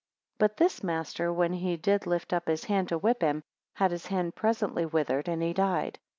15 But this master, when he did lift up his hand to whip him, had his hand presently withered, and he died.